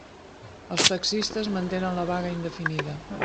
Els taxistes mantenen la vaga indefinida.